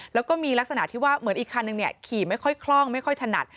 แล้วก็มีลักษณะที่ว่าเหมือนอีกคันนึงขี่ไม่ค่อยคล่องไม่ค่อยถนัด